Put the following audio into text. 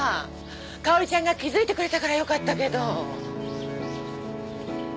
かおりちゃんが気づいてくれたからよかったけど。